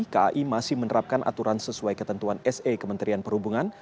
kai masih menerapkan aturan sesuai ketentuan se kementerian perhubungan